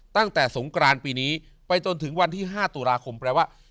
ตั้งแต่สงกรานปีนี้ไปจนถึงวันที่๕ตุลาคมแปลว่า